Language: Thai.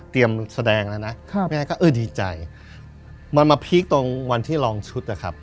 เตรียมแสดงแล้วนะไม่ได้ก็ดีใจมันมาพีคตรงวันที่ลองชุดนะครับ